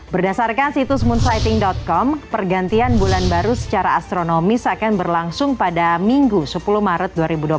berdasarkan situs moonsighting com pergantian bulan baru secara astronomis akan berlangsung pada minggu sepuluh maret dua ribu dua puluh satu